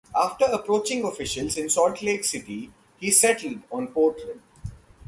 After approaching officials in Salt Lake City, he settled on Portland.